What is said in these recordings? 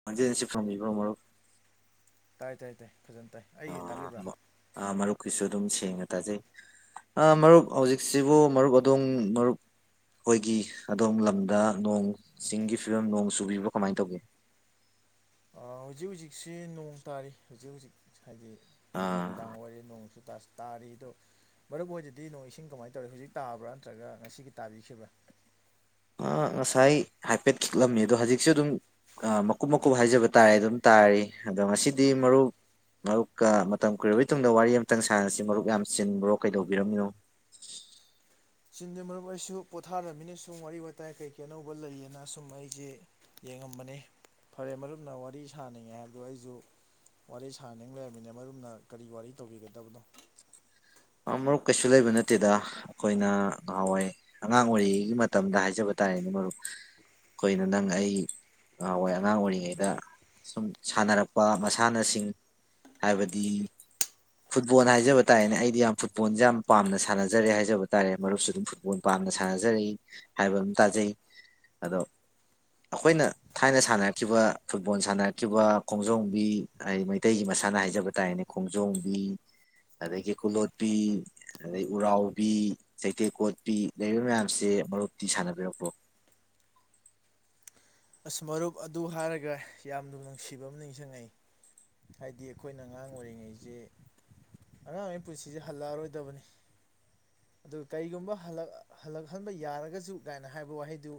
[unintelligible] ꯇꯥꯏ ꯇꯥꯏ ꯇꯥꯏ ꯐꯖꯅ ꯇꯥꯏ ꯑꯩꯒꯤ ꯇꯥꯕꯤꯕ꯭ꯔꯥ ꯑꯥ ꯑꯥ ꯃꯔꯨꯞꯀꯤꯁꯨ ꯑꯗꯨꯝ ꯁꯦꯡꯅ ꯇꯥꯖꯩ ꯑꯥ ꯃꯔꯨꯞ ꯍꯧꯖꯤꯛꯁꯤꯕꯨ ꯃꯔꯨꯞ ꯑꯗꯨꯝ ꯃꯔꯨꯞ ꯑꯩꯈꯣꯏꯒꯤ ꯑꯗꯣꯝ ꯂꯝꯗ ꯅꯣꯡ ꯆꯤꯡꯒꯤ ꯐꯤꯚꯝ ꯅꯣꯡ ꯆꯨꯕꯤꯕ꯭ꯔꯥ ꯀꯃꯥꯏꯅ ꯇꯧꯒꯦ ꯍꯧꯖꯤꯛ ꯍꯧꯖꯤꯛꯁꯤ ꯅꯣꯡ ꯇꯥꯔꯤ ꯍꯧꯖꯤꯛ ꯍꯧꯖꯤꯛ ꯍꯥꯏꯗꯤ ꯑꯩꯈꯣꯏ ꯑꯥ ꯅꯨꯃꯤꯗꯥꯡ ꯑꯣꯏꯔ ꯅꯣꯡꯁꯨ ꯇꯥꯁꯜ ꯇꯥꯔꯤ ꯑꯗꯣ ꯃꯔꯨꯞ ꯍꯣꯏꯗꯗꯤ ꯅꯣꯡ ꯏꯁꯤꯡ ꯀꯃꯥꯏꯅ ꯇꯧꯔꯤ ꯍꯧꯖꯤꯛ ꯇꯥꯕ꯭ꯔꯥ ꯅꯠꯇ꯭ꯔꯒ ꯉꯁꯤꯒꯤ ꯇꯥꯕꯤꯈꯤꯕ꯭ꯔꯥ ꯑꯥ ꯉꯁꯥꯏ ꯍꯥꯏꯐꯦꯠ ꯈꯤꯛꯂꯝꯃꯤ ꯑꯗꯣ ꯍꯧꯖꯤꯛꯁꯨ ꯑꯗꯨꯝ ꯃꯀꯨꯞ ꯃꯀꯨꯞ ꯍꯥꯏꯖꯕ ꯇꯥꯔꯦ ꯑꯗꯨꯝ ꯇꯥꯔꯤ ꯑꯗꯣ ꯉꯁꯤꯗꯤ ꯃꯔꯨꯞ ꯃꯔꯨꯞꯀ ꯃꯇꯝ ꯀꯨꯏꯔꯕꯩ ꯇꯨꯡꯗ ꯋꯥꯔꯤ ꯑꯃꯇꯪ ꯁꯥꯟꯅꯁꯤ ꯃꯔꯨꯞ ꯌꯥꯝ ꯆꯤꯟꯕ꯭ꯔꯣ ꯀꯩꯗꯧꯕꯤꯔꯝꯃꯤꯅꯣ ꯆꯤꯟꯗꯦ ꯃꯔꯨꯞ ꯑꯩꯁꯨ ꯄꯣꯊꯔꯝꯃꯤꯅꯦ ꯁꯨꯝ ꯋꯥꯔꯤ ꯋꯥꯇꯥꯏ ꯀꯩꯀꯩ ꯑꯅꯧꯕ ꯂꯩꯌꯦꯅ ꯁꯨꯝ ꯑꯩꯁꯦ ꯌꯦꯡꯉꯝꯕꯅꯤ ꯐꯔꯦ ꯃꯔꯨꯞꯅ ꯋꯥꯔꯤ ꯁꯥꯅꯤꯡꯉꯦ ꯍꯥꯏꯕꯗꯨ ꯑꯩꯁꯨ ꯋꯥꯔꯤ ꯁꯥꯅꯤꯡ ꯂꯩꯔꯝꯃꯤꯅꯦ ꯃꯔꯨꯝꯅ ꯀꯔꯤ ꯋꯥꯔꯤ ꯇꯧꯕꯤꯒꯗꯕꯅꯣ ꯃꯔꯨꯞ ꯀꯩꯁꯨ ꯂꯩꯕ ꯅꯠꯇꯦꯗ ꯑꯩꯈꯣꯏꯅ ꯉꯍꯥꯟꯋꯥꯏ ꯑꯉꯥꯡ ꯑꯣꯏꯔꯤꯉꯩꯒꯤ ꯃꯇꯝꯗ ꯍꯥꯏꯖꯕ ꯇꯥꯔꯦꯅꯦ ꯃꯔꯨꯞ ꯑꯩꯈꯣꯏꯅ ꯅꯪ ꯑꯩ ꯍꯣꯏ ꯑꯉꯥꯡ ꯑꯣꯏꯔꯤꯉꯩꯗ ꯁꯨꯝ ꯁꯥꯟꯅꯔꯛꯄ ꯃꯁꯥꯟꯅꯁꯤꯡ ꯍꯥꯏꯕꯗꯤ ꯐꯨꯠꯕꯣꯜ ꯍꯥꯏꯖꯕ ꯇꯥꯔꯅꯦ ꯑꯩꯗꯤ ꯌꯥꯝ__ ꯐꯨꯠꯕꯣꯜꯁꯦ ꯌꯥꯝꯅ ꯄꯥꯝꯅ ꯁꯥꯟꯖꯔꯦ ꯍꯥꯏꯖꯕ ꯇꯥꯔꯦ ꯃꯔꯨꯞꯁꯨ ꯑꯗꯨꯝ ꯐꯨꯠꯕꯣꯜ ꯄꯥꯝꯅ ꯁꯥꯟꯅꯖꯔꯛꯏ ꯍꯥꯏꯕ ꯑꯃ ꯇꯥꯖꯩ ꯑꯗꯣ ꯑꯩꯈꯣꯏꯅ ꯊꯥꯏꯅ ꯁꯥꯟꯅꯔꯛꯈꯤꯕ ꯐꯨꯠꯕꯣꯜ ꯁꯥꯟꯅꯔꯛꯈꯤꯕ ꯈꯣꯡꯖꯣꯝꯕꯤ ꯑꯩ ꯃꯩꯇꯩꯒꯤ ꯃꯁꯥꯟꯅ ꯍꯥꯏꯖꯕ ꯇꯥꯔꯦꯅꯦ ꯈꯣꯡꯖꯣꯝꯕꯤ ꯑꯗꯒꯤ ꯀꯨꯂꯣꯠꯄꯤ ꯑꯗꯩ ꯎꯔꯥꯎꯕꯤ ꯆꯩꯊꯦꯛ ꯀꯣꯠꯄꯤ ꯂꯩꯔꯤꯕ ꯃꯌꯥꯝꯁꯦ ꯃꯔꯨꯞꯇꯤ ꯁꯥꯟꯅꯕꯤꯔꯛꯄ꯭ꯔꯣ ꯑꯁ ꯃꯔꯨꯞ ꯑꯗꯨ ꯍꯥꯏꯔꯒ ꯌꯥꯝꯅ ꯅꯨꯡꯁꯤꯕ ꯑꯃ ꯅꯤꯡꯁꯤꯡꯉꯛꯏ ꯍꯥꯏꯗꯤ ꯑꯩꯈꯣꯏꯅ ꯑꯉꯥꯡ ꯑꯣꯏꯔꯤꯉꯩꯁꯤ ꯑꯉꯥꯡꯉꯩ ꯄꯨꯟꯁꯤꯁꯦ ꯍꯜꯂꯛꯑꯔꯣꯏꯗꯕꯅꯤ ꯑꯗꯨꯒ ꯀꯔꯤꯒꯨꯝꯕ ꯍꯜꯂꯛꯍꯟꯕ ꯌꯥꯔꯒꯁꯨ ꯥꯏꯅ ꯍꯥꯏꯕ ꯋꯥꯍꯩꯗꯨ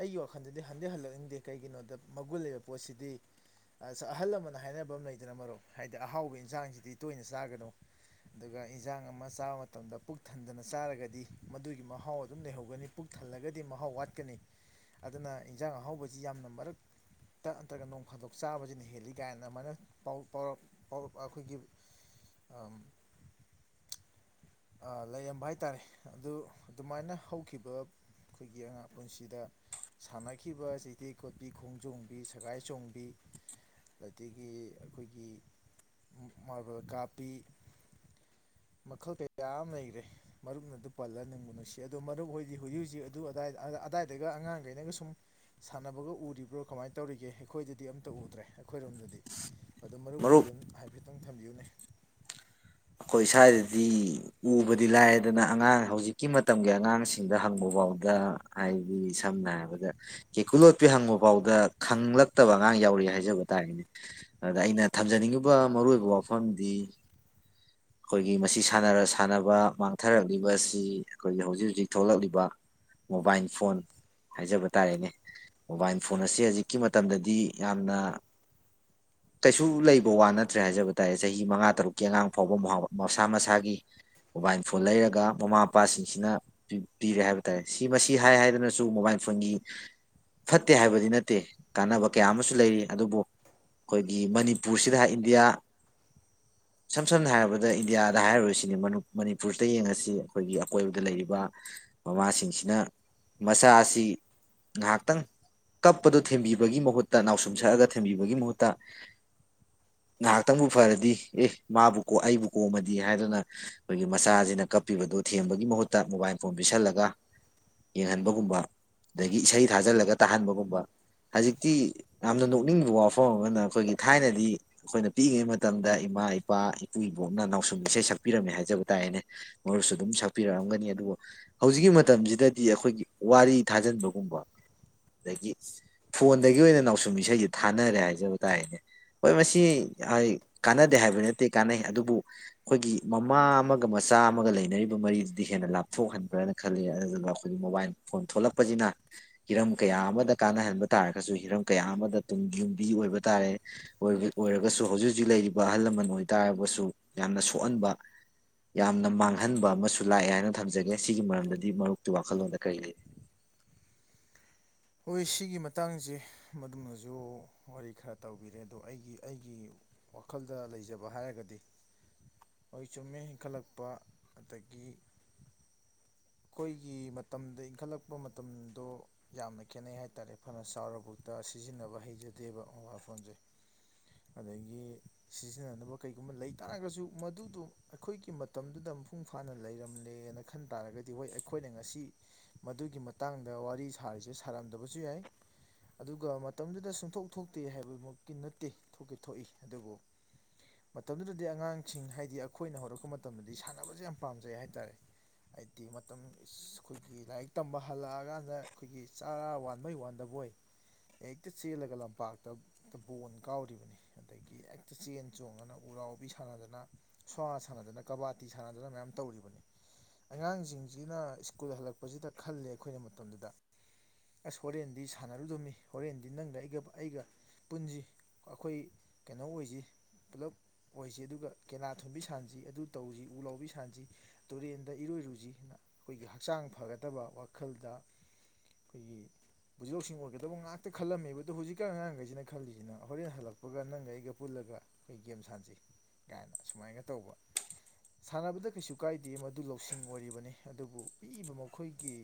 ꯑꯩꯒꯤ ꯋꯥꯈꯟꯗꯗꯤ ꯍꯟꯗꯤ ꯍꯜꯂꯛꯅꯤꯡꯗꯦ ꯀꯩꯒꯤꯅꯣꯗ ꯃꯒꯨꯟ ꯂꯩꯕ ꯄꯣꯠꯁꯤꯗꯤ ꯑ ꯑꯍꯜ ꯂꯃꯟꯅ ꯍꯥꯏꯅꯕ ꯑꯃ ꯂꯩꯗꯅ ꯃꯔꯣꯛ ꯍꯥꯏꯗꯤ ꯑꯍꯥꯎꯕ ꯏꯟꯁꯥꯡꯁꯤꯗꯤ ꯇꯣꯏꯅ ꯆꯥꯒꯅꯨ ꯑꯗꯨꯒ ꯏꯟꯖꯥꯡ ꯑꯃ ꯆꯥꯕ ꯃꯇꯝꯗ ꯄꯨꯛ ꯊꯟꯗꯅ ꯆꯥꯔꯒꯗꯤ ꯃꯗꯨꯒꯤ ꯃꯍꯥꯎ ꯑꯗꯨꯝ ꯂꯩꯍꯧꯒꯅꯤ ꯄꯨꯛ ꯊꯜꯂꯒꯗꯤ ꯃꯍꯥꯎ ꯋꯥꯠꯀꯅꯤ ꯑꯗꯨꯅ ꯏꯟꯖꯥꯡ ꯑꯍꯥꯎꯕꯁꯤ ꯌꯥꯝꯅ ꯃꯔꯛ ꯇ ꯅꯠꯇ꯭ꯔꯒ ꯅꯣꯡ ꯐꯥꯗꯣꯛ ꯆꯥꯕꯁꯤꯅ ꯍꯦꯜꯂꯤ ꯀꯥꯏꯅ ꯑꯗꯨꯥꯏꯅ ꯑꯩꯈꯣꯏꯒꯤ ꯑ ꯂꯩꯔꯝꯕ ꯍꯥꯏ ꯇꯥꯔꯦ ꯑꯗꯨ ꯑꯗꯨꯃꯥꯏꯅ ꯍꯧꯈꯤꯕ ꯑꯩꯈꯣꯏꯒꯤ ꯑꯉꯥꯡ ꯄꯨꯟꯁꯤꯗ ꯁꯥꯟꯅꯈꯤꯕ ꯆꯤꯊꯤ ꯀꯣꯠꯄꯤ ꯈꯣꯡꯖꯣꯝꯕꯤ ꯁꯒꯥꯏ ꯆꯣꯡꯕꯤ ꯑꯗꯒꯤ ꯑꯩꯈꯣꯏꯒꯤ ꯃꯥꯔꯕꯜ ꯀꯥꯞꯄꯤ ꯃꯈꯜ ꯀꯌꯥ ꯑꯃ ꯂꯩꯈꯔꯦ ꯃꯔꯨꯞꯅ ꯑꯗꯨ ꯄꯜꯂ ꯅꯤꯡꯪꯕꯨ ꯅꯨꯡꯁꯤ ꯑꯣ ꯃꯔꯨꯞ ꯍꯣꯏꯗꯤ ꯍꯧꯖꯤꯛ ꯍꯧꯖꯤꯛ ꯑꯗꯨꯏ ꯑꯗꯥꯏꯗꯒ ꯑꯉꯥꯡꯈꯩꯅꯒ ꯁꯨꯝ ꯁꯥꯟꯅꯕꯒ ꯎꯔꯤꯕ꯭ꯔꯣ ꯀꯃꯥꯏꯅ ꯇꯧꯔꯤꯒꯦ ꯑꯩꯈꯣꯏꯗꯗꯤ ꯑꯝꯇ ꯎꯗ꯭ꯔꯦ ꯑꯩꯈꯣꯏꯔꯣꯝꯗꯗꯤ ꯑꯗꯨꯗꯣ ꯃꯔꯨꯞ ꯃꯈꯩꯒꯤ ꯑꯗꯨꯝ ꯍꯥꯏꯐꯦꯠꯇꯪ ꯊꯝꯕꯤꯌꯨꯅꯦ ꯑꯩꯈꯣꯏ ꯁ꯭ꯋꯥꯏꯗꯗꯤ ꯎꯕꯗꯤ ꯂꯥꯏꯌꯦꯗꯅ ꯑꯉꯥꯡ ꯍꯧꯖꯤꯛꯀꯤ ꯃꯇꯝꯒꯤ ꯑꯉꯥꯡꯁꯤꯡꯗ ꯍꯪꯕ ꯐꯥꯎꯗ ꯑꯩꯗꯤ ꯁꯝꯅ ꯍꯥꯏꯔꯕꯗ ꯀꯦꯀꯨ ꯂꯣꯠꯄꯤ ꯍꯪꯕ ꯐꯥꯎꯗ ꯈꯪꯂꯛꯇꯕ ꯑꯉꯥꯡ ꯌꯥꯎꯔꯤ ꯍꯥꯏꯖꯕ ꯇꯥꯔꯦꯅꯦ ꯑꯗ ꯑꯩꯅ ꯊꯝꯖꯅꯤꯡꯉꯤꯕ ꯃꯔꯨ ꯑꯣꯏꯏꯕ ꯋꯥꯐꯝꯗꯤ ꯑꯩꯈꯣꯏꯒꯤ ꯃꯁꯤ ꯁꯥꯟꯅꯔ ꯁꯥꯟꯅꯕ ꯃꯥꯡꯊꯔꯛꯂꯤꯕꯁꯤ ꯑꯩꯈꯣꯏꯒꯤ ꯍꯧꯖꯤꯛ ꯍꯧꯖꯤꯛ ꯊꯣꯛꯂꯛꯂꯤꯕ ꯃꯣꯕꯥꯏꯜ ꯐꯣꯟ ꯍꯥꯏꯖꯕ ꯇꯥꯔꯦꯅꯦ ꯃꯣꯕꯥꯏꯜ ꯐꯣꯟ ꯑꯁꯦ ꯍꯧꯖꯤꯛꯀꯤ ꯃꯇꯝꯗꯗꯤ ꯌꯥꯝꯅ ꯀꯩꯁꯨ ꯂꯩꯕ ꯋꯥ ꯅꯠꯇ꯭ꯔꯦ ꯍꯥꯏꯖꯕ ꯇꯥꯔꯦ ꯆꯍꯤ ꯃꯉꯥ ꯇꯔꯨꯛꯀꯤ ꯑꯉꯥꯡ ꯐꯥꯎꯕ ꯃꯁꯥ ꯃꯁꯥꯒꯤ ꯃꯣꯕꯥꯏꯜ ꯐꯣꯟ ꯂꯩꯔꯒ ꯃꯃꯥ ꯃꯄꯥꯁꯤꯡꯁꯤꯅ ꯄꯤꯔꯦ ꯍꯥꯏꯕ ꯇꯥꯔꯦ ꯁꯤ ꯃꯁꯤ ꯍꯥꯏ ꯍꯥꯏꯗꯅꯁꯨ ꯃꯣꯕꯥꯏꯜ ꯐꯣꯟꯒꯤ ꯐꯠꯇꯦ ꯍꯥꯏꯕꯗꯤ ꯅꯠꯇꯦ ꯀꯥꯟꯅꯕ ꯀꯌꯥ ꯑꯃꯁꯨ ꯂꯩꯔꯤ ꯑꯗꯨꯕꯨ ꯑꯩꯈꯣꯏꯒꯤ ꯃꯅꯤꯄꯨꯔꯁꯤꯗ ꯏꯟꯗꯤꯌꯥ ꯝ ꯁꯝꯅ ꯍꯥꯏꯔꯕꯗ ꯏꯟꯗꯤꯌꯥꯗ ꯍꯥꯏꯔꯨꯔꯤꯁꯤꯅꯤ ꯃꯅꯤꯄꯨꯔꯁꯤꯗ ꯌꯦꯡꯉꯁꯤ ꯑꯩꯈꯣꯏꯒꯤ ꯑꯀꯣꯏꯕꯗ ꯂꯩꯔꯤꯕ ꯃꯃꯥꯁꯤꯡꯁꯤꯅ ꯃꯆꯥ ꯑꯁꯤ ꯉꯍꯥꯛꯇꯪ ꯀꯞꯄꯗꯨꯣ ꯊꯦꯝꯕꯤꯕꯒꯤ ꯃꯍꯨꯠꯇ ꯅꯥꯎꯁꯨꯝ ꯁꯛꯑꯒ ꯊꯦꯝꯕꯤꯕꯒꯤ ꯃꯍꯨꯠꯇ ꯉꯥꯏꯍꯥꯛꯇꯪꯕꯨ ꯐꯔꯗꯤ ꯑꯦ ꯃꯥꯕꯨꯒꯣ ꯑꯩꯕꯨ ꯀꯣꯝꯃꯗꯤ ꯍꯥꯏꯗꯅ ꯑꯩꯈꯣꯏꯒꯤ ꯃꯆꯥꯁꯤꯅ ꯀꯞꯄꯤꯕꯗꯣ ꯊꯦꯝꯕꯒꯤ ꯃꯍꯨꯠꯇ ꯃꯣꯕꯥꯏꯜ ꯐꯣꯟ ꯄꯤꯁꯜꯂꯒ ꯌꯦꯡꯍꯟꯕꯒꯨꯝꯕ ꯑꯗꯒꯤ ꯏꯁꯩ ꯊꯥꯖꯤꯜꯂꯒ ꯇꯥꯍꯟꯕꯒꯨꯝꯕ ꯍꯧꯖꯤꯛꯇꯤ ꯌꯥꯝꯅ ꯅꯣꯛꯅꯤꯡꯕ ꯋꯥꯐꯝ ꯑꯃꯅ ꯑꯩꯈꯣꯏꯒꯤ ꯊꯥꯏꯅꯗꯤ ꯑꯩꯈꯣꯏꯅ ꯄꯤꯛꯉꯩ ꯃꯇꯝꯗ ꯏꯃꯥ ꯏꯄꯥ ꯏꯄꯨ ꯏꯕꯣꯛꯅ ꯅꯥꯎꯁꯨꯝ ꯏꯁꯩ ꯁꯛꯄꯤꯔꯝꯃꯦ ꯍꯥꯏꯖꯕ ꯇꯥꯢꯅꯦ ꯃꯔꯨꯞꯁꯨ ꯑꯗꯨꯝ ꯁꯛꯄꯤꯔꯛꯑꯝꯒꯅꯤ ꯑꯗꯨꯕꯨ ꯍꯧꯖꯤꯛꯀꯤ ꯃꯇꯝꯁꯤꯗꯗꯤ ꯑꯩꯈꯣꯏꯒꯤ ꯋꯥꯔꯤ ꯊꯥꯖꯤꯟꯕꯒꯨꯝꯕ ꯑꯗꯒꯤ ꯐꯣꯟꯗꯒꯤ ꯑꯣꯏꯅ ꯅꯥꯎꯁꯨꯝ ꯏꯁꯩꯁꯦ ꯊꯥꯅꯔꯦ ꯍꯥꯏꯖꯕ ꯇꯥꯅꯦ ꯍꯣꯏ ꯃꯁꯤ ꯀꯥꯟꯅꯗꯦ ꯍꯥꯏꯕ ꯅꯠꯇꯦ ꯀꯥꯟꯅꯩ ꯑꯗꯨꯕꯨ ꯑꯩꯈꯣꯏꯒꯤ ꯃꯃꯥ ꯑꯃꯒ ꯃꯆꯥ ꯑꯃꯒ ꯂꯩꯅꯔꯤꯕ ꯃꯔꯤꯗꯨꯗꯤ ꯍꯦꯟꯅ ꯂꯥꯞꯊꯣꯛꯍꯟꯕ꯭ꯔꯥꯅ ꯈꯜꯂꯤ ꯑꯗꯨꯅ ꯑꯩꯈꯣꯏꯒꯤ ꯃꯣꯕꯥꯏ ꯐꯣꯟ ꯊꯣꯛꯂꯛꯄꯁꯤꯅ ꯍꯤꯔꯝ ꯀꯌꯥ ꯑꯃꯗ ꯀꯥꯟꯅꯍꯟꯕ ꯇꯥꯔꯒꯁꯨ ꯍꯤꯔꯝ ꯀꯌꯥ ꯑꯃꯗ ꯇꯨꯡ ꯌꯨꯝꯕꯤ ꯑꯣꯏꯕ ꯇꯥꯔꯦ ꯑꯣꯏꯔꯒꯁꯨ ꯍꯧꯖꯤꯛ ꯍꯧꯖꯤꯛ ꯂꯩꯔꯤꯕ ꯑꯍꯜ ꯂꯃꯟ ꯑꯣꯏꯇꯥꯒꯁꯨ ꯌꯥꯝꯅ ꯁꯣꯛꯍꯟꯕ ꯌꯥꯝꯅ ꯃꯥꯡꯍꯟꯕ ꯑꯃꯁꯨ ꯂꯥꯛꯑꯦ ꯍꯥꯏꯅ ꯊꯝꯖꯒꯦ ꯁꯤꯒꯤ ꯃꯔꯝꯗꯗꯤ ꯃꯔꯨꯞꯀꯤ ꯋꯥꯈꯜꯂꯣꯟꯗ ꯀꯔꯤ ꯂꯩ ꯍꯣꯏ ꯁꯤꯒꯤ ꯃꯇꯥꯡꯁꯦ ꯃꯔꯨꯞꯅꯁꯨ ꯋꯥꯔꯤ ꯈꯔ ꯇꯧꯕꯤꯔꯦ ꯑꯗꯣ ꯑꯩꯒꯤ ꯑꯩꯒꯤ ꯑꯩꯒꯤ ꯋꯥꯈꯜꯗ ꯂꯩꯖꯕ ꯍꯥꯏꯔꯒꯗꯤ ꯍꯣꯏ ꯆꯨꯝꯃꯦ ꯏꯦꯟꯈꯠꯂꯛꯄ ꯑꯗꯒꯤ ꯑꯩꯈꯣꯏꯒꯤ ꯃꯇꯝꯗ ꯏꯟꯈꯠꯂꯛꯄ ꯃꯇꯝꯗꯣ ꯌꯥꯝꯅ ꯈꯦꯠꯅꯩ ꯍꯥꯏ ꯇꯥꯔꯦ ꯐꯅ ꯆꯥꯎꯔꯕꯐꯥꯎꯗ ꯁꯤꯖꯤꯟꯅꯕ ꯍꯩꯖꯗꯦꯕ ꯃꯣꯕꯥꯏꯜ ꯐꯣꯟꯁꯦ [inaudible] ꯑꯗꯒꯤ ꯁꯤꯖꯤꯟꯅꯅꯕ ꯀꯩꯒꯨꯝꯕ ꯂꯩ ꯇꯥꯔꯒꯁꯨ ꯃꯗꯨꯗꯣ ꯑꯩꯈꯣꯏꯒꯤ ꯃꯇꯝꯗꯨꯗ ꯃꯄꯨꯡ ꯐꯥꯅ ꯂꯩꯔꯝꯂꯦꯅ ꯈꯟ ꯇꯥꯔꯒꯗꯤ ꯑꯗꯨ ꯍꯣꯏ ꯑꯩꯈꯣꯏꯅ ꯉꯁꯤ ꯃꯗꯨꯒꯤ ꯃꯇꯥꯡꯗ ꯋꯥꯔꯤ ꯁꯥꯔꯤꯁꯦ ꯁꯥꯔꯝꯗꯕꯁꯨ ꯌꯥꯏ ꯑꯗꯨꯒ ꯃꯇꯝꯗꯨꯗ ꯁꯨꯡꯊꯣꯛ ꯊꯣꯛꯇꯦ ꯍꯥꯏꯕꯃꯛꯇꯤ ꯅꯠꯇꯦ ꯊꯣꯛꯑꯤ ꯊꯣꯛꯏ ꯑꯗꯨꯕꯨ ꯃꯇꯝꯗꯨꯗꯗꯤ ꯑꯉꯥꯡꯁꯤꯡ ꯍꯥꯏꯗꯤ ꯑꯩꯈꯣꯏꯅ ꯍꯧꯔꯛꯄ ꯃꯇꯝꯗꯗꯤ ꯁꯥꯟꯅꯕꯁꯦ ꯌꯥꯝ ꯄꯥꯝꯖꯩ ꯍꯥꯏꯇꯥꯔꯦ ꯁꯨꯇꯤ ꯃꯇꯝ ꯑꯩꯈꯣꯏꯒꯤ ꯂꯥꯏꯔꯤꯛ ꯇꯝꯕ ꯍꯜꯂꯛꯑꯀꯥꯟꯗ ꯑꯩꯈꯣꯏꯒꯤ ꯆꯥꯔꯥ ꯋꯥꯟ ꯕꯣꯢ ꯋꯥꯟꯗꯕꯣꯏ ꯍꯦꯛꯇ ꯆꯦꯜꯂꯒ ꯂꯝꯄꯥꯛꯇ ꯕꯣꯟ ꯀꯥꯎꯔꯤꯕꯅꯤ ꯑꯗꯒꯤ ꯍꯦꯛꯇ ꯆꯦꯟ ꯆꯣꯡꯗꯅ ꯎꯔꯥꯎꯕꯤ ꯁꯥꯟꯅꯗꯅ ꯁꯨꯋꯥ ꯁꯥꯟꯅꯗꯅ ꯀꯕꯥꯗꯤ ꯁꯥꯟꯅꯗꯅ ꯃꯌꯥꯝ ꯇꯧꯔꯤꯕꯅꯤ ꯑꯉꯥꯡꯁꯤꯡꯁꯤꯅ ꯁ꯭ꯀꯨꯜ ꯍꯜꯂꯛꯄꯁꯤꯗ ꯈꯜꯂꯦ ꯑꯩꯈꯣꯏꯅ ꯃꯇꯝꯗꯨꯗ ꯑꯁ ꯍꯣꯔꯦꯟꯗꯤ ꯁꯥꯟꯅꯔꯨꯗꯗꯝꯃꯤ ꯍꯣꯔꯦꯟꯗꯤ ꯅꯪꯒ ꯑꯩꯒ ꯑꯩꯒ ꯄꯨꯟꯁꯤ ꯑꯩꯈꯣꯏ ꯀꯩꯅꯣ ꯑꯣꯏꯁꯤ ꯄꯨꯂꯞ ꯑꯣꯏꯁꯤ ꯑꯗꯨꯒ ꯀꯦꯅꯥ ꯊꯨꯝꯕꯤ ꯁꯥꯟꯅꯁꯤ ꯑꯗꯨ ꯇꯧꯁꯤ ꯎꯂꯥꯎꯕꯤ ꯁꯥꯟꯁꯤ ꯇꯨꯔꯦꯟ ꯗ ꯏꯔꯣꯏꯔꯨꯁꯤꯅ ꯑꯩꯈꯣꯏꯒꯤ ꯍꯛꯆꯥꯡ ꯐꯒꯗꯕ ꯋꯥꯈꯜꯗ ꯑꯩꯈꯣꯏꯒꯤ ꯄꯨꯟꯁꯤ ꯂꯧꯁꯤꯡ ꯑꯣꯏꯒꯗꯕ ꯉꯥꯛꯇ ꯈꯜꯂꯝꯃꯦꯕꯗꯣ ꯍꯧꯖꯤꯛꯀꯥꯟ ꯑꯉꯥꯡꯈꯩꯁꯤꯅ ꯈꯜꯂꯤꯁꯤꯅ ꯍꯣꯔꯦꯟ ꯍꯜꯂꯛꯄꯒ ꯅꯪꯒ ꯑꯩꯒ ꯄꯨꯜꯂꯒ ꯑꯩꯈꯣꯏ ꯒꯦꯝ ꯁꯥꯟꯖꯤ ꯀꯥꯏꯅ ꯁꯨꯃꯥꯏꯅ ꯇꯧꯕ ꯁꯥꯟꯅꯕꯗ ꯀꯩꯁꯨ ꯀꯥꯏꯗꯦ ꯃꯗꯨ ꯂꯧ ꯁꯤꯡ ꯑꯣꯏꯔꯤꯕꯅꯤ ꯑꯗꯨꯕꯨ ꯄꯤꯛꯏꯕ ꯃꯈꯣꯏꯒꯤ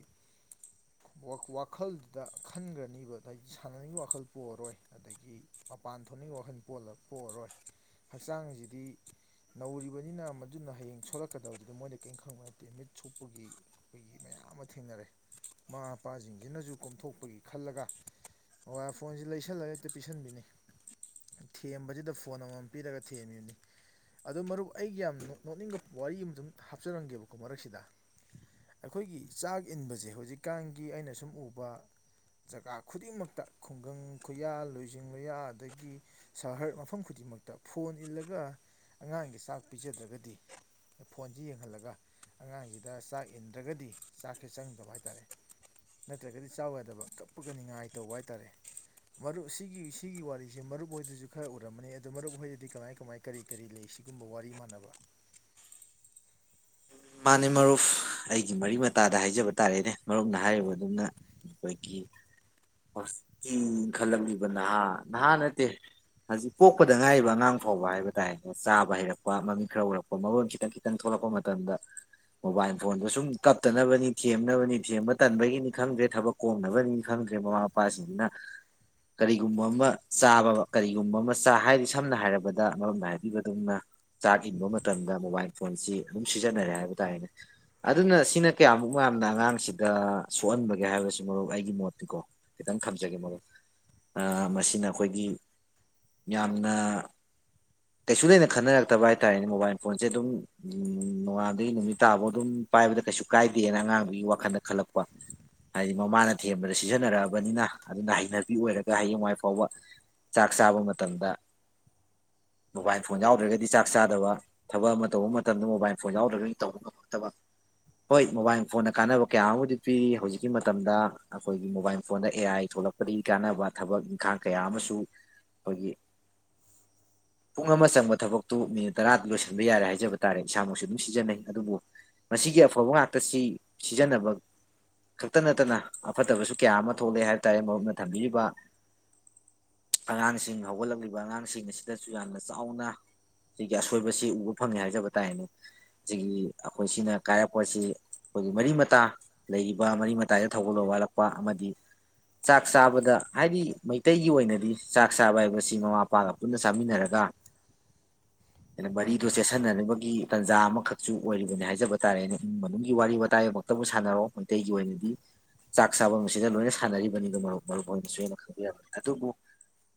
ꯋꯥꯈꯜꯗꯨꯗ ꯈꯟꯈ꯭ꯔꯅꯤꯕ ꯑꯗꯤ ꯁꯥꯟꯅꯅꯤꯡꯕꯒꯤ ꯋꯥꯈꯜ ꯄꯣꯛꯑꯔꯣꯏ ꯑꯗꯒꯤ ꯃꯄꯥꯟ ꯊꯣꯛꯅꯤꯡꯕꯒꯤ ꯋꯥꯈꯜ ꯄꯣꯛꯑꯔꯣꯏ ꯍꯛꯆꯥꯡꯁꯤꯗꯤ ꯅꯧꯔꯤꯕꯅꯤꯅ ꯃꯗꯨꯅ ꯍꯌꯦꯡ ꯁꯣꯂꯛꯀꯗꯕꯗꯨꯗꯤ ꯃꯣꯏꯗ ꯀꯔꯤꯝ ꯈꯪꯉꯣꯢ ꯃꯤꯠ ꯁꯣꯛꯄꯒꯤ ꯑꯩꯈꯣꯏꯒꯤ ꯃꯌꯥꯝ ꯑꯃ ꯊꯦꯡꯅꯔꯦ ꯃꯃꯥ ꯃꯄꯥꯁꯤꯡꯁꯤꯅꯁꯨ ꯀꯣꯝꯊꯣꯛꯄꯒꯤ ꯈꯜꯂꯒ ꯃꯣꯕꯥꯢ ꯐꯣꯟꯁꯤ ꯂꯩꯁꯜꯂꯒ ꯍꯦꯛꯇ ꯄꯤꯁꯟꯕꯤꯅꯤ ꯊꯦꯝꯕꯁꯤꯗ ꯐꯣꯟ ꯑꯃꯃꯝ ꯄꯤꯔꯒ ꯊꯦꯝꯃꯤꯕꯅꯤ ꯑꯗꯣ ꯃꯔꯨꯞ ꯑꯩꯒꯤ ꯌꯥꯝ ꯅꯣꯛꯅꯤꯡꯕ ꯋꯥꯔꯤ ꯑꯃꯇꯪ ꯍꯥꯞꯆꯔꯝꯒꯦꯕ ꯀꯣ ꯃꯔꯛꯁꯤꯗ ꯑꯩꯈꯣꯏꯒꯤ ꯆꯥꯛ ꯏꯟꯕꯁꯦ ꯍꯧꯖꯤꯛꯀꯥꯟꯒꯤ ꯑꯩꯅ ꯁꯨꯝ ꯎꯕ ꯖꯒꯥ ꯈꯨꯗꯤꯡꯃꯛꯇ ꯈꯨꯡꯒꯪ ꯈꯨꯌꯥ ꯂꯣꯏꯖꯤꯡ ꯂꯣꯏꯌꯥ ꯑꯗꯒꯤ ꯁꯍꯔ ꯃꯐꯝ ꯈꯨꯗꯤꯡꯃꯛꯇ ꯐꯣꯟ ꯏꯜꯂꯒ ꯑꯉꯥꯡꯒꯤ ꯆꯥꯛ ꯄꯤꯖꯗ꯭ꯔꯒꯗꯤ ꯐꯣꯟꯁꯤ ꯌꯦꯡꯍꯜꯂꯒ ꯑꯉꯥꯡꯁꯤꯗ ꯆꯥꯛ ꯏꯟꯗ꯭ꯔꯒꯗꯤ ꯆꯥꯛꯁꯦ ꯆꯪꯗꯕ ꯍꯥꯏ ꯇꯥꯔꯦ ꯅꯠꯇ꯭ꯔꯒꯗꯤ ꯆꯥꯎ ꯌꯥꯗꯕ ꯀꯞꯄꯒ ꯅꯤꯡꯉꯥꯏ ꯇꯧꯕ ꯍꯥꯏꯇꯥꯔꯦ ꯃꯔꯨꯞ ꯁꯤꯒꯤ ꯁꯤꯒꯤ ꯋꯥꯔꯤꯁꯦ ꯃꯔꯨꯞ ꯍꯣꯏꯗꯁꯨ ꯈꯔ ꯎꯔꯃꯅꯤ ꯑꯗꯨ ꯃꯔꯨꯞꯍꯣꯏꯗꯗꯤ ꯀꯃꯥꯏ ꯀꯃꯥꯏ ꯀꯔꯤ ꯀꯔꯤ ꯂꯩ ꯁꯤꯒꯨꯝꯕ ꯋꯥꯔꯤ ꯃꯥꯟꯅꯕ ꯃꯥꯅꯦ ꯃꯔꯨꯞ ꯑꯩꯒꯤ ꯃꯔꯤ ꯃꯇꯥꯗ ꯍꯥꯏꯖꯕ ꯇꯥꯔꯦꯅꯦ ꯃꯔꯨꯞꯅ ꯍꯥꯏꯔꯤꯕ ꯑꯗꯨꯝꯅ ꯑꯩꯈꯣꯏꯒꯤ ꯍꯧꯖꯤꯛꯀꯤ ꯏꯪꯈꯜꯂꯛꯂꯤꯕ ꯅꯍꯥ ꯅꯍꯥ ꯅꯠꯇꯦ ꯍꯧꯖꯤꯛ ꯄꯣꯛꯄꯗ ꯉꯥꯏꯔꯤꯕ ꯑꯉꯥꯡ ꯐꯥꯎꯕ ꯍꯥꯏꯕ ꯇꯥꯔꯦꯅꯦ ꯆꯥꯕ ꯍꯩꯔꯛꯄ ꯃꯃꯤꯛ ꯈꯔ ꯎꯔꯛꯄ ꯃꯔꯣꯟ ꯈꯤꯇꯪ ꯈꯤꯇꯪ ꯊꯣꯛꯂꯛꯄ ꯃꯇꯝꯗ ꯃꯣꯕꯥꯏꯜ ꯐꯣꯟꯗꯣ ꯁꯨꯝ ꯀꯞꯇꯅꯕꯅꯤ ꯊꯦꯝꯅꯕꯅꯤ ꯊꯦꯝꯕ ꯇꯟꯕꯒꯤꯅꯤ ꯈꯪꯗ꯭ꯔꯦ ꯊꯕꯛ ꯀꯣꯝꯅꯕꯅꯤ ꯈꯪꯗ꯭ꯔꯦ ꯃꯃꯥ ꯃꯄꯥꯁꯤꯡꯁꯤꯅ ꯀꯔꯤꯒꯨꯝꯕ ꯑꯃ ꯆꯥꯕ ꯀꯔꯤꯒꯨꯝꯕ ꯑꯃ ꯆꯥ ꯍꯥꯏꯗꯤ ꯁꯝꯅ ꯍꯥꯏꯔꯕꯗ ꯃꯔꯨꯞꯅ‌ ꯍꯥꯏꯕꯤꯕ ꯑꯗꯨꯝꯅ ꯆꯥꯛ ꯏꯟꯕ ꯃꯇꯝꯗ ꯃꯣꯕꯥꯏꯜ ꯐꯣꯟꯁꯤ ꯑꯗꯨꯝ ꯁꯤꯖꯟꯅꯔꯦ ꯍꯥꯏꯕ ꯇꯥꯔꯦꯅꯦ ꯑꯗꯨꯅ ꯁꯤꯅ ꯀꯌꯥꯃꯨꯛ ꯃꯥꯝꯅ ꯑꯉꯥꯡꯁꯤꯗ ꯁꯣꯛꯍꯟꯕꯒꯦ ꯍꯥꯏꯕꯁꯤ ꯃꯔꯨꯞ ꯑꯩꯒꯤ ꯃꯣꯠꯇꯤꯀꯣ ꯈꯤꯇꯪ ꯊꯝꯖꯒꯦ ꯃꯣꯔꯨꯞ ꯑ ꯃꯁꯤꯅ ꯑꯈꯣꯏꯒꯤ ꯌꯥꯝꯅ ꯀꯩꯁꯨ ꯂꯩꯅ ꯈꯟꯅꯔꯛꯇꯕ ꯍꯥꯏꯇꯥꯔꯦꯅꯦ ꯃꯣꯕꯥꯏꯜ ꯐꯣꯟꯁꯦ ꯑꯗꯨꯝ ꯎꯝ ꯅꯣꯡꯉꯥꯟꯕꯗꯩ ꯅꯨꯃꯤꯠ ꯇꯥꯕꯧ ꯑꯗꯨꯝ ꯄꯥꯏꯕꯗ ꯀꯩꯁꯨ ꯀꯥꯏꯗꯦꯅ ꯑꯉꯥꯡꯗꯨꯒꯤ ꯋꯥꯈꯟꯗ ꯈꯜꯂꯛꯄ ꯍꯥꯏꯗꯤ ꯃꯃꯥꯅ ꯊꯦꯝꯕꯗ ꯁꯤꯖꯟꯅꯔꯛꯑꯕꯅꯤꯅ ꯑꯗꯨꯅ ꯍꯩꯅꯕꯤ ꯑꯣꯏꯔꯒ ꯍꯌꯦꯡꯋꯥꯏ ꯐꯥꯎꯕ ꯆꯥꯛ ꯆꯕ ꯃꯇꯝꯗ ꯃꯣꯕꯥꯏꯜ ꯐꯣꯟ ꯌꯥꯎꯗ꯭ꯔꯒꯗꯤ ꯆꯥꯛ ꯆꯥꯗꯕ ꯊꯕꯛ ꯑꯃ ꯇꯧꯕ ꯃ ꯇꯝꯗ ꯃꯣꯕꯥꯏꯜ ꯐꯣꯟ ꯌꯥꯎꯗ꯭ꯔꯒꯗꯤ ꯇꯧꯕ ꯉꯝꯃꯛꯇꯕ ꯍꯣꯏ ꯃꯣꯕꯥꯏꯜ ꯐꯣꯟꯅ ꯀꯥꯟꯅꯕ ꯀꯌꯥ ꯑꯃꯨꯗꯤ ꯄꯤꯔꯤ ꯍꯧꯖꯤꯛꯀꯤ ꯃꯇꯝꯗ ꯑꯈꯣꯏꯒꯤ ꯃꯣꯕꯥꯏꯜ ꯐꯣꯟꯗ ꯑꯦ ꯑꯥꯏ ꯊꯣꯛꯂꯛꯄꯗꯒꯤ ꯀꯥꯟꯅꯕ ꯊꯕꯛ ꯏꯪꯈꯥꯡ ꯀꯌꯥ ꯑꯃꯁꯨ ꯑꯈꯣꯏꯒꯤ ꯄꯨꯡ ꯑꯃ ꯆꯪꯕ ꯊꯕꯛꯇꯨ ꯃꯤꯅꯤꯠ ꯇꯔꯥ ꯂꯣꯏꯁꯟꯕ ꯌꯥꯔꯦ ꯍꯥꯏꯖꯕ ꯇꯥꯔꯦ ꯏꯁꯥꯃꯛꯁꯨ ꯑꯗꯨꯝ ꯁꯤꯖꯟꯅꯩ ꯑꯗꯨꯕꯨ ꯃꯁꯤꯒꯤ ꯑꯐꯕ ꯉꯥꯛꯇ ꯁꯤ ꯁꯤꯖꯟꯅꯕ ꯈꯛꯇ ꯅꯠꯇꯅ ꯑꯐꯠꯇꯕꯁꯨ ꯀꯌꯥ ꯑꯃ ꯊꯣꯛꯂꯛꯑꯦ ꯍꯥꯏꯕ ꯇꯥꯔꯦ ꯃꯔꯨꯞꯅ ꯊꯝꯕꯤꯔꯤꯕ ꯑꯉꯥꯡꯁꯤꯡ ꯍꯧꯒꯠꯂꯛꯂꯤꯕ ꯑꯉꯥꯡꯁꯤꯡ ꯑꯁꯤꯗꯁꯨ ꯌꯥꯝꯅ ꯆꯥꯎꯅ ꯁꯤꯒꯤ ꯑꯁꯣꯏꯕꯁꯤ ꯎꯕ ꯐꯪꯉꯦ ꯍꯥꯏꯖꯕ ꯇꯥꯔꯦꯅꯦ ꯖꯤꯒꯤ ꯑꯈꯣꯏ ꯁꯤꯅ ꯀꯥꯏꯔꯛꯄꯁꯤ ꯑꯈꯣꯏꯒꯤ ꯃꯔꯤ ꯃꯇꯥ ꯂꯩꯔꯤꯕ ꯃꯔꯤ ꯃꯇꯥꯏꯗ ꯊꯧꯒꯜꯂꯣꯟ ꯋꯥꯠꯂꯛꯄ ꯑꯃꯗꯤ ꯆꯥꯛ ꯆꯥꯕꯗ ꯍꯥꯏꯗꯤ ꯃꯩꯇꯩꯒꯤ ꯑꯣꯏꯅꯗꯤ ꯆꯥꯛ ꯆꯥꯕ ꯍꯥꯏꯕꯁꯤ ꯃꯃꯥ ꯃꯄꯥꯒ ꯄꯨꯟꯅ ꯆꯥꯃꯤꯟꯅꯔꯒ ꯍꯦꯟꯅ ꯃꯔꯤꯗꯣ ꯆꯦꯁꯟꯅꯅꯕ ꯒꯤ ꯇꯥꯟꯖꯥ ꯑꯃꯈꯛꯁꯨ ꯑꯣꯏꯔꯤꯕꯅꯦ ꯍꯥꯏꯖꯕ ꯇꯥꯔꯦꯅꯦ ꯏꯃꯨꯡ ꯃꯅꯨꯡꯒꯤ ꯋꯥꯔꯤ ꯋꯥꯇꯥꯏꯃꯛꯇꯕꯨ ꯁꯥꯟꯅꯔꯑꯣ ꯃꯩꯇꯩꯒꯤ ꯑꯣꯏꯅꯗꯤ ꯆꯥꯛ ꯆꯥꯕꯝꯁꯤꯗ ꯂꯣꯏꯅ ꯁꯥꯟꯅꯔꯤꯕꯅꯤꯗꯣ ꯃꯔꯨꯞ ꯃꯔꯨꯞ ꯑꯣꯏꯅꯁꯨ ꯑꯩꯅ ꯈꯪꯕꯤꯔꯝꯕꯅꯤ ꯑꯗꯨꯕꯨ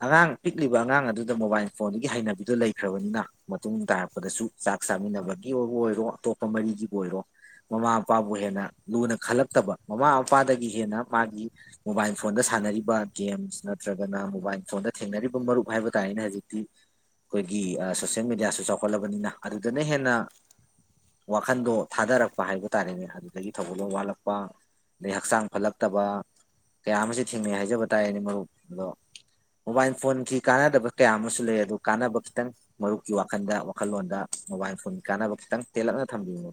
ꯑꯉꯥꯡ ꯄꯤꯛꯂꯤꯕ ꯑꯉꯥꯡ ꯑꯗꯨꯗ ꯃꯣꯕꯥꯏꯜ ꯐꯣꯟꯗꯨꯒꯤ ꯍꯩꯅꯕꯤꯗꯨ ꯂꯩꯈ꯭ꯔꯕꯅꯤꯅ ꯃꯇꯨꯡ ꯇꯥꯔꯛꯄꯗꯁꯨ ꯆꯥꯛ ꯆꯥꯃꯤꯟꯅꯕꯒꯤꯕꯕꯨ ꯑꯣꯏꯔꯣ ꯑꯇꯣꯞꯄ ꯃꯔꯤꯒꯤꯕꯨ ꯑꯣꯏꯔꯣ ꯃꯃꯥ ꯃꯄꯥꯕꯨ ꯍꯦꯟꯅ ꯂꯨꯅ ꯈꯜꯂꯛꯇꯕ ꯃꯃꯥ ꯃꯄꯥꯗꯒꯤ ꯍꯦꯟꯅ ꯃꯥꯒꯤ ꯃꯣꯕꯥꯏꯜ ꯐꯣꯟꯗ ꯁꯥꯟꯅꯔꯤꯕ ꯒꯦꯝꯁ ꯅꯠꯇ꯭ꯔꯒꯅ ꯃꯣꯕꯥꯏꯜ ꯐꯣꯟꯗ ꯊꯦꯡꯅꯔꯤꯕ ꯃꯔꯨꯞ ꯍꯥꯏꯕ ꯇꯥꯔꯦꯅꯦ ꯍꯧꯖꯤꯛꯇꯤ ꯑꯈꯣꯏꯒꯤ ꯑ ꯁꯣꯁꯦꯜ ꯃꯦꯗꯤꯌꯥꯁꯨ ꯆꯥꯎꯈꯠꯂꯕꯅꯤꯅ ꯑꯗꯨꯗꯅ ꯍꯦꯟꯅ ꯋꯥꯈꯟꯗꯣ ꯊꯥꯗꯔꯛꯄ ꯍꯥꯏꯕ ꯇꯥꯔꯦꯅꯦ ꯑꯗꯨꯗꯒꯤ ꯊꯧꯒꯜꯂꯣꯟ ꯋꯥꯠꯂꯛꯄ ꯑꯗꯩ ꯍꯛꯆꯥꯡ ꯐꯠꯂꯛꯇꯕ ꯀꯌꯥ ꯑꯃꯖꯦ ꯊꯦꯡꯅꯩ ꯍꯥꯏꯖꯕ ꯇꯥꯔꯦꯅꯦ ꯃꯔꯨꯞ ꯑꯗꯣ ꯃꯣꯕꯥꯏꯜ ꯐꯣꯟꯒꯤ ꯀꯥꯟꯅꯗꯕ ꯀꯌꯥ ꯑꯃꯁꯨ ꯂꯩ ꯑꯗꯨ ꯀꯥꯟꯅꯕ ꯈꯤꯇꯪ ꯃꯔꯨꯞꯀꯤ ꯋꯥꯈꯜꯗ ꯋꯥꯈꯜꯂꯣꯟꯗ ꯃꯣꯕꯥꯏꯜ ꯐꯣꯟ ꯀꯥꯟꯅꯕ ꯈꯤꯇꯪ ꯇꯦꯜꯂꯞꯅ ꯊꯝꯕꯤꯨꯣ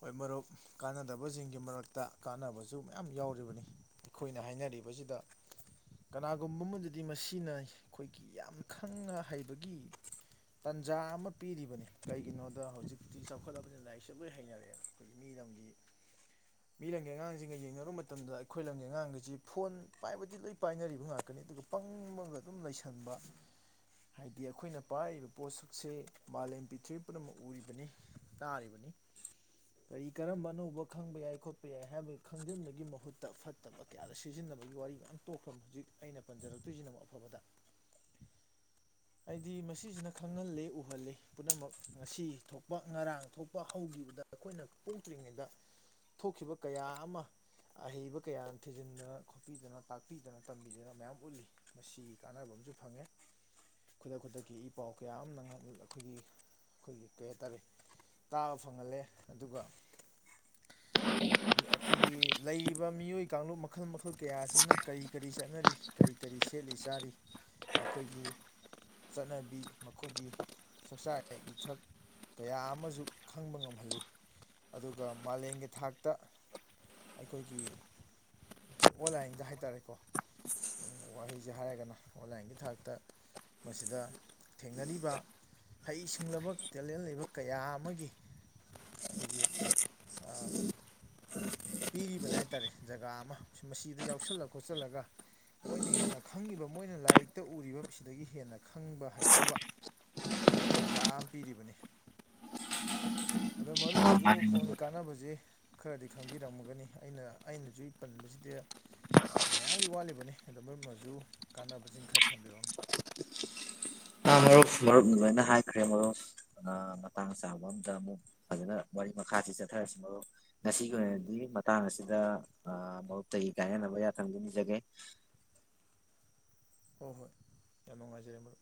ꯍꯣꯏ ꯃꯔꯨꯞ ꯀꯥꯟꯅꯗꯕꯁꯤꯡꯒꯤ ꯃꯔꯛꯇ ꯀꯥꯅꯕꯁꯨ ꯃꯌꯥꯝ ꯌꯥꯎꯔꯤꯕꯅꯤ ꯑꯩꯈꯣꯏꯅ ꯍꯥꯏꯅꯔꯤꯕꯁꯤꯗ ꯀꯅꯥꯒꯨꯝꯕ ꯑꯃꯗꯗꯤ ꯃꯁꯤꯅ ꯑꯩꯈꯣꯏꯒꯤ ꯌꯥꯝ ꯈꯪꯅ ꯍꯩꯕꯒꯤ ꯇꯥꯟꯖꯥ ꯑꯃ ꯄꯤꯔꯤꯕꯅꯤ ꯀꯩꯒꯤꯅꯣꯗ ꯍꯧꯖꯤꯛꯇꯤ ꯆꯥꯎꯈꯠꯂꯕꯅꯤꯅ ꯂꯥꯏꯔꯤꯛ ꯖꯕꯩ ꯍꯩꯅꯔꯦ ꯑꯩꯈꯣꯏꯒꯤ ꯃꯤ ꯂꯝꯝꯒꯤ [inaudible] ꯃꯤ ꯂꯝꯒꯤ ꯑꯉꯥꯡꯁꯤꯡꯒ ꯌꯦꯡꯅꯔꯨ ꯃꯇꯝꯗ ꯑꯩꯈꯣꯏ ꯂꯝꯒꯤ ꯑꯉꯥꯡꯒꯁꯤ ꯐꯣꯟ ꯄꯥꯏꯕꯗꯤ ꯂꯣꯏ ꯄꯥꯏꯅꯔꯤꯕ ꯉꯥꯛꯀꯅꯤ ꯑꯗꯨꯒ ꯄꯪꯕꯒ ꯑꯗꯨꯝ ꯂꯩꯁꯟꯕ ꯍꯥꯏꯗꯤ ꯑꯩꯈꯣꯏꯅ ꯄꯥꯏꯕ ꯄꯣꯠꯁꯛꯁꯦ ꯃꯥꯂꯦꯝ ꯄ꯭ꯔꯤꯊꯤꯕꯤ ꯄꯨꯝꯅꯃꯛ ꯎꯔꯤꯕꯅꯤ ꯇꯥꯔꯤꯕꯅꯤ ꯀꯔꯤ ꯀꯔꯝꯕ ꯑꯅꯧꯕ ꯈꯪꯕ ꯌꯥꯏ ꯈꯣꯠꯄ ꯌꯥꯏ ꯍꯥꯏꯕꯒꯤ ꯈꯪꯖꯤꯟꯕꯒꯤ ꯃꯍꯨꯠꯇ ꯐꯠꯇꯕ ꯀꯌꯥꯗ ꯁꯤꯖꯤꯟꯅꯕꯒꯤ ꯋꯥꯔꯤ ꯃꯌꯥꯝ ꯇꯣꯛꯈ꯭ꯔꯕ ꯍꯧꯖꯤꯛ ꯑꯩꯅ ꯄꯟꯖꯔꯛꯇꯣꯏꯁꯤꯅꯨꯛ ꯑꯐꯕꯗ [inaudible] ꯍꯥꯏꯗꯤ ꯃꯁꯤꯁꯤꯅ ꯈꯪꯍꯜꯂꯤ ꯎꯍꯜꯂꯤ ꯄꯨꯝꯅꯃꯛ ꯉꯁꯤ ꯊꯣꯛꯄ ꯉꯔꯥꯡ ꯊꯣꯛꯄ ꯍꯧꯈꯤꯕꯗ ꯑꯩꯈꯣꯏꯅ ꯄꯣꯛꯇ꯭ꯔꯤꯉꯩꯗ ꯊꯣꯛꯈꯤꯕ ꯀꯌꯥ ꯑꯃ ꯑꯍꯩꯕ ꯀꯌꯥꯅ ꯊꯤꯖꯤꯟꯗꯅ ꯈꯣꯠꯄꯤꯗꯅ ꯇꯥꯛꯄꯤꯗꯅ ꯇꯝꯕꯤꯗꯅ ꯃꯌꯥꯝ ꯎꯠꯂꯤ ꯃꯁꯤ ꯀꯥꯟꯅꯕ ꯑꯃꯁꯨ ꯐꯪꯉꯦ ꯈꯨꯗꯛ ꯈꯨꯗꯛꯀꯤ ꯏ ꯄꯥꯎ ꯀꯌꯥ ꯑꯃ ꯅꯪ ꯑꯩꯈꯣꯏꯒꯤ ꯑꯩꯈꯣꯏꯒꯤ ꯀꯩ ꯍꯥꯏꯇꯥꯔꯦ ꯇꯥꯕ ꯐꯪꯍꯜꯂꯦ ꯑꯗꯨꯒ [unintelligible] ꯑꯩꯈꯣꯏꯒꯤ ꯂꯩꯔꯤꯕ ꯃꯤꯑꯣꯏ ꯀꯥꯡꯂꯨꯞ ꯃꯈꯜ ꯃꯈꯜ ꯀꯌꯥ ꯑꯁꯤꯅ ꯀꯔꯤ ꯀꯔꯤ ꯆꯠꯅꯔꯤ ꯀꯔꯤ ꯀꯔꯤ ꯁꯦꯠꯂꯤ ꯆꯥꯔꯤ ꯃꯈꯣꯏꯒꯤ ꯆꯠꯅꯕꯤ ꯃꯈꯣꯏꯒꯤ ꯆꯛꯆꯥ ꯌꯊꯛ ꯀꯌꯥ ꯑꯃꯁꯨ ꯈꯪꯕ ꯉꯝꯍꯜꯂꯤ ꯑꯗꯨꯒ ꯃꯥꯂꯦꯝꯒꯤ ꯊꯥꯛꯇ ꯑꯩꯈꯣꯏꯒꯤ ꯑꯈꯣꯏ ꯑꯣꯟꯂꯥꯏꯟꯗ ꯍꯥꯏ ꯇꯔꯦꯀꯣ ꯋꯥꯍꯩꯖꯦ ꯍꯥꯏꯔꯒꯅ ꯑꯣꯟꯂꯥꯏꯟꯒꯤ ꯊꯥꯛꯇ ꯃꯁꯤꯗ ꯊꯦꯡꯅꯔꯤꯕ ꯍꯩ ꯁꯤꯡꯂꯕ ꯇꯦꯂꯦꯟ ꯂꯩꯕ ꯀꯌꯥ ꯑꯃꯒꯤ ꯈꯣꯏꯒꯤ ꯑ ꯄꯤꯔꯤꯕꯅꯦ ꯍꯥꯏ ꯇꯥꯔꯦ ꯖꯒꯥ ꯑꯃ ꯃꯁꯤꯗ ꯌꯥꯎꯁꯜꯂ ꯈꯣꯠꯆꯜꯂꯒ ꯃꯣꯏꯅ ꯍꯦꯟꯅ ꯈꯪꯉꯤꯕ ꯃꯣꯏꯅ ꯂꯥꯏꯔꯤꯛꯇ ꯎꯔꯤꯕ ꯁꯤꯗꯒꯤ ꯍꯦꯟꯅ ꯈꯪꯕ ꯍꯩꯅꯕ ꯁꯤ ꯇꯟꯖꯥ ꯑꯃ ꯄꯤꯔꯤꯕꯅꯤ ꯑꯗꯣ ꯑꯥ ꯃꯔꯨꯞꯅꯁꯨ ꯃꯥꯅꯤ ꯐꯣꯟꯒꯤ ꯀꯥꯟꯅꯕꯖꯤ ꯈꯔꯗꯤ ꯈꯪꯕꯤꯔꯝꯃꯒꯅꯤ ꯑꯩꯅ ꯑꯩꯅꯖꯨ ꯄꯟꯕꯖꯤꯗꯤ ꯑ ꯃꯌꯥꯝꯗꯤ ꯋꯥꯠꯂꯤꯕꯅꯤ ꯑꯗꯨ ꯃꯔꯨꯞ ꯃꯖꯨ ꯀꯥꯟꯅꯕꯁꯤꯡ ꯈꯔ ꯊꯝꯕꯤꯔꯛꯎꯅꯦ꯫ ꯃꯔꯨꯞ ꯃꯔꯨꯞ ꯂꯣꯏꯅ ꯍꯥꯏꯈ꯭ꯔꯦ ꯃꯔꯨꯞ ꯑ ꯃꯇꯥꯡ ꯆꯥꯕ ꯑꯝꯗ ꯑꯃꯨꯛ ꯐꯖꯅ ꯋꯔꯤ ꯃꯈꯥꯁꯤ ꯆꯠꯊꯔꯁꯤ ꯃꯔꯨꯞ ꯉꯁꯤꯒꯤ ꯑꯣꯏꯅꯗꯤ ꯃꯇꯥꯡ ꯑꯁꯤꯗ ꯑ ꯃꯔꯨꯞꯇꯒꯤ ꯀꯥꯏꯅꯅꯕ ꯌꯥꯊꯪ ꯅꯤꯖꯒꯦ ꯍꯣꯏ ꯍꯣꯏ ꯌꯥꯝ ꯅꯨꯡꯉꯥꯏꯖꯔꯦ ꯃꯔꯨꯞ꯫